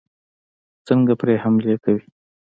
څنګه پرې حملې کوي.